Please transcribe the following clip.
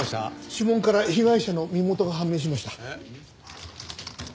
指紋から被害者の身元が判明しました。